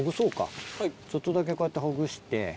ちょっとだけこうやってほぐして。